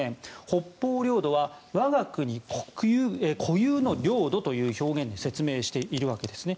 北方領土は我が国固有の領土という説明をしているんですね。